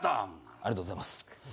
ありがとうございます。